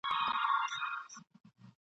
نیمي مړۍ ته تر بازاره یوسي ..